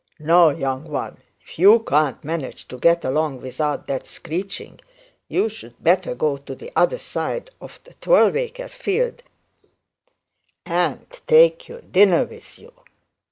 'Now, young 'un, if you can't manage to get along without that screeching, you'd better go to the other side of the twelve acre field, and take your dinner with you.